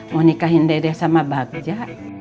mau nikahin dede sama bagja